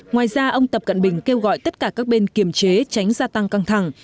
ngoài ra ông tập cận bình kêu gọi tất cả các bên kiềm chế tránh gia tăng căng thẳng